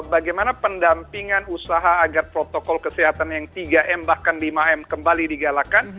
bagaimana pendampingan usaha agar protokol kesehatan yang tiga m bahkan lima m kembali digalakan